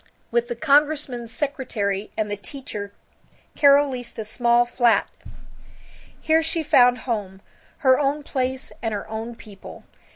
With the congressman's secretary and the teacher Carol leased a small flat. Here she found home, her own place and her own people.